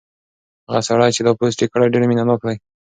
هغه سړی چې دا پوسټ یې کړی ډېر مینه ناک دی.